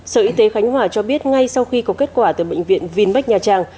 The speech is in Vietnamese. sở y tế khánh hòa cho biết ngay sau khi có kết quả từ bệnh viện vinec nhà trang